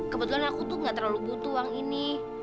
kebetulan aku tuh gak terlalu butuh uang ini